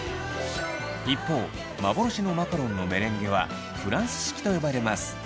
一方幻のマカロンのメレンゲはフランス式と呼ばれます。